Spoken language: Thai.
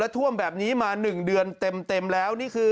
และท่วมแบบนี้มา๑เดือนเต็มแล้ว